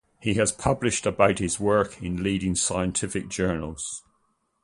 He has published about his work in leading scientific journals.